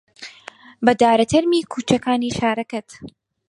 بەدارە تەرمی کووچەکانی شارەکەت